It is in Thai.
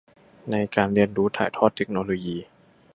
ในการเรียนรู้ถ่ายทอดเทคโนโลยี